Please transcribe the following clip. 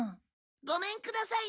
ごめんください。